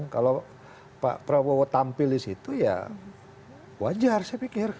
kalau pak prabowo tampil di situ ya wajar saya pikir